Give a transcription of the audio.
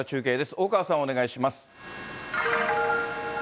大川さん、お願いします。